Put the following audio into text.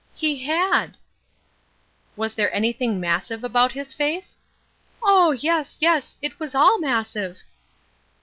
"He had." "Was there anything massive about his face?" "Oh, yes, yes, it was all massive."